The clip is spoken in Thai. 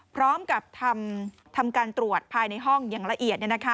พร้อมกับทำการตรวจภายในห้องอย่างละเอียด